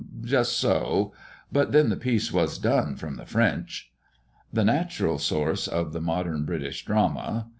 just so! But then the piece was 'done' from the French." "The natural source of the modern British drama.